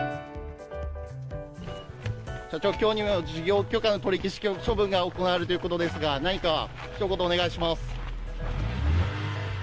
今日にも事業許可の取り消し処分が行われるということですが何かひと言お願いします。